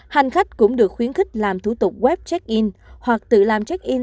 hành khách cũng được khuyến khích làm thủ tục web check in hoặc tự làm check in